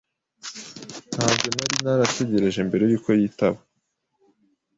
Ntabwo nari narategereje mbere yuko yitaba.